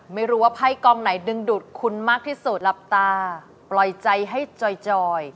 ไม่รู้ว่าไพ่กองไหนดึงดูดคุณมากที่สุดหลับตาปล่อยใจให้จอย